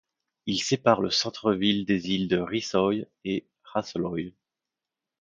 Il sépare le centre-ville des îles de Risøy et Hasseløy.